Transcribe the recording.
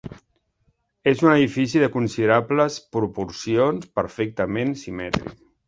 És un edifici de considerables proporcions perfectament simètric.